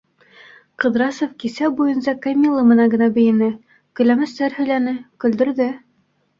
Ҡыҙрасов кисә буйынса Камилла менән генә бейене, көләмәстәр һөйләне, көлдөрҙө.